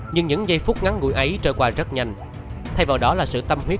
nhưng những giây phút ngắn ngủi ấy trở qua rất nhanh thay vào đó là sự tâm huyết